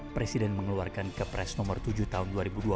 presiden mengeluarkan kepres nomor tujuh tahun dua ribu dua puluh